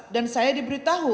dan saya diberitahu